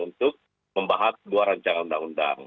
untuk membahas dua rancangan undang undang